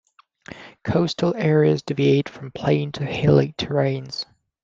Coastal areas deviate from plain to hilly terrains.